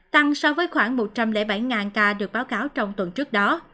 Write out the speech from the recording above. tăng so với khoảng một trăm linh bảy ca được báo cáo trong tuần trước đó